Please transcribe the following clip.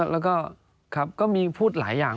แล้วก็ครับก็มีพูดหลายอย่าง